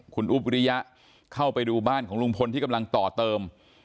คุณอุ๊บวิริยะเข้าไปดูบ้านของลุงพลที่กำลังต่อเติม